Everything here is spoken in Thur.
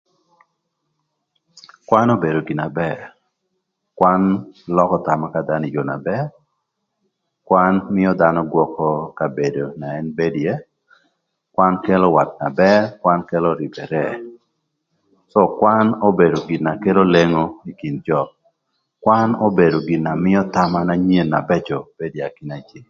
Kwan obedo gin na bër, kwan lökö thama ka dhanö ï yoo na bër, kwan mïö dhanö gwökö kabedo na ën bedo ïë, kwan kelo wat na bër, kwan kelo rïbërë, coo kwan obedo gin na kelo lengo ï kin jö, kwan obedo gin na mïö thama na nyen bëcö na cek.